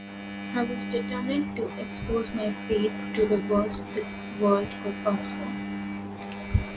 I was determined to expose my faith to the worst the world could offer.